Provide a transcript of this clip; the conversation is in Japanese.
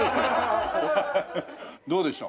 どうでしょう？